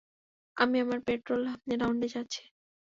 আমি আমার প্যাট্রোল রাউন্ডে যাচ্ছি।